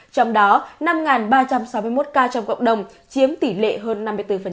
trong đó năm ba trăm sáu mươi một ca trong cộng đồng chiếm tỷ lệ hơn năm mươi bốn